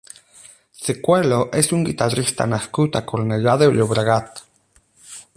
Chicuelo és un guitarrista nascut a Cornellà de Llobregat.